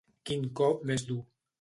Quin cop més dur.